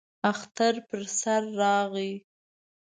اختر پر سر راغی.